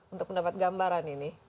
untuk mendapat gambaran ini